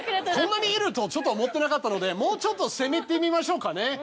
こんなにいるとちょっと思ってなかったのでもうちょっと攻めてみましょうかね。